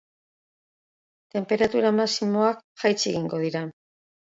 Tenperatura maximoak jaitsi egingo dira.